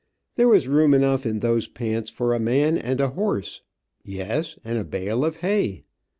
There was room enough in those pants for a man and a horse. Yes, and a bale of hay.